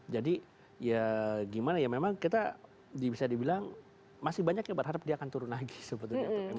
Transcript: jadi ya gimana ya memang kita bisa dibilang masih banyak yang berharap dia akan turun lagi sebetulnya